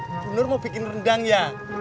bu nur mau bikin rendang ya